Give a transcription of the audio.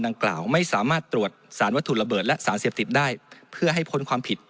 ดังกล่าวไม่สามารถตรวจสารวัตถุระเบิดและสารเสพติดได้เพื่อให้พ้นความผิด